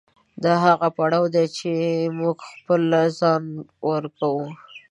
دا هغه پړاو دی چې موږ خپل ځان ورکوو.